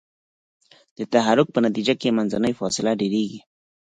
د تحرک په نتیجه کې منځنۍ فاصله ډیریږي.